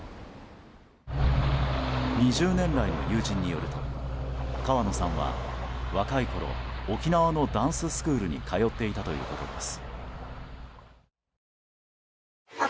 ２０年来の友人によると川野さんは若いころ沖縄のダンススクールに通っていたということです。